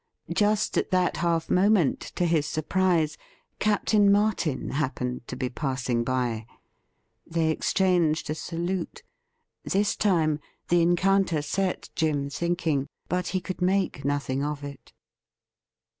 Just at that half moment, to his surprise. Captain Martin happened to be passing by. They exchanged a salute. This time the encounter set Jim thinking, but he could make nothing of it.